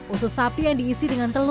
usus sapi yang diisi dengan nasi kapau